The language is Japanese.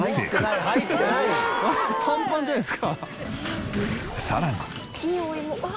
パンパンじゃないですか。